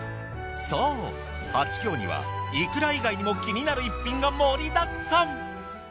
そうはちきょうにはいくら以外にも気になる逸品が盛りだくさん。